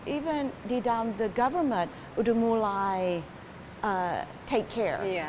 bahkan di dalam pemerintah sudah mulai berobat